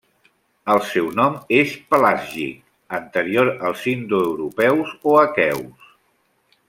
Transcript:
El seu nom és pelàsgic, anterior als indoeuropeus o aqueus.